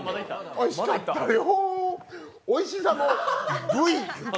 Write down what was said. おいしかったヨ！